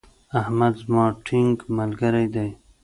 احمد زما ټينګ ملګری دی.